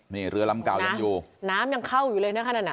นี่เรือลำเก่ายังอยู่น้ำยังเข้าอยู่เลยนะคะนั่นอ่ะ